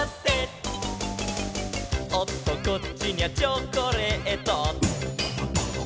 「おっとこっちにゃチョコレート」